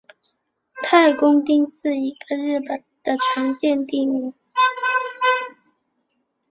大工町是一个日本的常见地名。